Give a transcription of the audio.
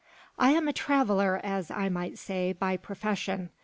I am a traveller, as I might say, by profession.